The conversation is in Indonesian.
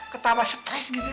ketawa stres gitu